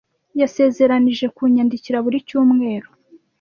Yasezeranije kunyandikira buri cyumweru.